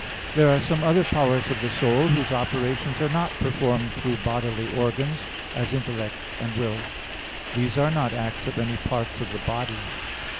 There are some other powers of the soul whose operations are not performed through bodily organs, as intellect and will: these are not acts of any parts of the body.